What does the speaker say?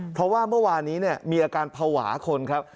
เพราะว่าเมื่อวานนี้เนี่ยมีอาการเผาหวาคนครับ